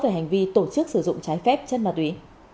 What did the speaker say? về hành vi tổ chức sử dụng trái phép chất ma túy